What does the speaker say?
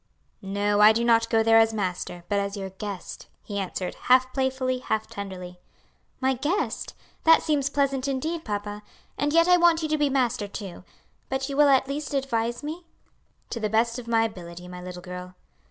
"No, I do not go there as master, but as your guest," he answered, half playfully, half tenderly. "My guest? That seems pleasant indeed, papa; and yet I want you to be master too. But you will at least advise me?" "To the best of my ability, my little girl."